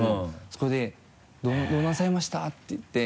そこで「どうなさいました？」って言って。